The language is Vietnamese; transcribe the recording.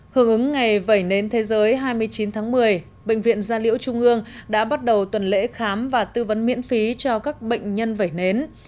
hưởng ứng ngày vẩy nến thế giới hai mươi chín tháng một mươi bệnh viện gia liễu trung ương đã bắt đầu tuần lễ khám và tư vấn miễn phí cho các bệnh nhân vẩy nến